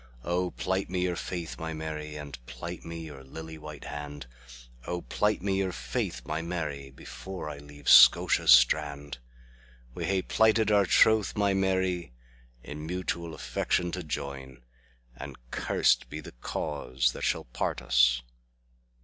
O plight me your faith, my Mary, And plight me your lily white hand;O plight me your faith, my Mary, Before I leave Scotia's strand. We hae plighted our troth, my Mary, In mutual affection to join; And curst be the cause that shall part us!